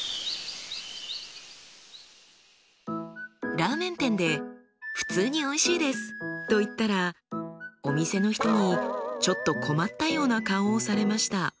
ラーメン店で「普通においしいです」と言ったらお店の人にちょっと困ったような顔をされました。